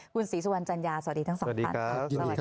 คุณศรีสุวรรณจัญญาสวัสดีทั้งสองท่านครับสวัสดีค่ะ